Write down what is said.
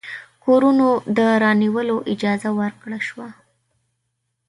کورونو د رانیولو اجازه ورکړه شوه.